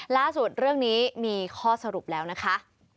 ล่าสุดเรื่องนี้มีข้อสรุปแล้วนะคะ